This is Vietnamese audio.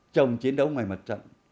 chồng chiến đấu ngoài mặt trận